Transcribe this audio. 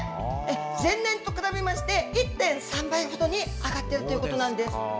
前年と比べまして、１．３倍ほどに上がっているということなんです。